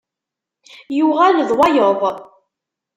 Yuɣal d wayeḍ.